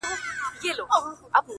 ژوند لکه لمبه ده بقا نه لري.!